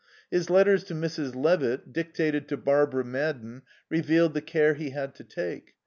His letters to Mrs. Levitt, dictated to Barbara Madden, revealed the care he had to take.